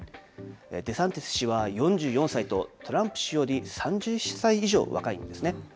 デサンティス氏は４４歳と、トランプ氏より３０歳以上若いんですね。